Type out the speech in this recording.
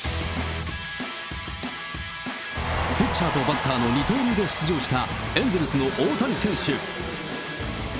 ピッチャーとバッターの二刀流で出場したエンゼルスの大谷選手。